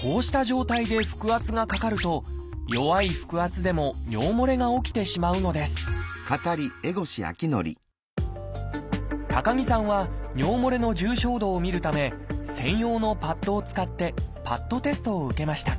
こうした状態で腹圧がかかると弱い腹圧でも尿もれが起きてしまうのです高木さんは尿もれの重症度を見るため専用のパッドを使ってパッドテストを受けました。